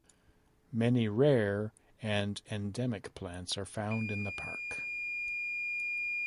Many rare and endemic plants are found in the park.